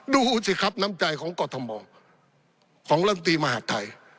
ดูสิครับน้ำใจของกรทมของลำตีมหาดไทย